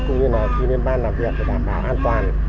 cũng như là khi lên ban làm việc để đảm bảo an toàn